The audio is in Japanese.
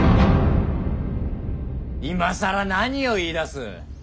今更何を言いだす。